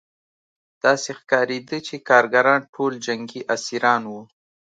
داسې ښکارېده چې کارګران ټول جنګي اسیران وو